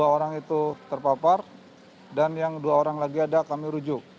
dua orang itu terpapar dan yang dua orang lagi ada kami rujuk